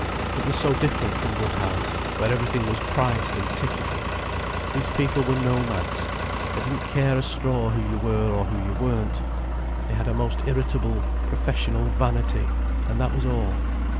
It was so different from Woodhouse, where everything was priced and ticketed. These people were nomads. They didn't care a straw who you were or who you weren't. They had a most irritable professional vanity, and that was all.